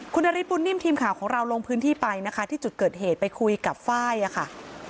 คุณนฤทธบุญนิ่มทีมข่าวของเราลงพื้นที่ไปนะคะที่จุดเกิดเหตุไปคุยกับไฟล์ค่ะ